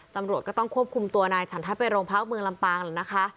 ตำรวจก็ต้องควบคุมตัวนายฉันทัศน์ไปโรงพักเมืองลำปางแล้วนะคะ